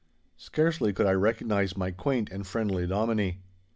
Scarcely could I recognise my quaint and friendly Dominie.